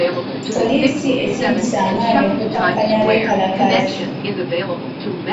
Poliisi esindise amaanyi okukakkanya abeekalakaasi.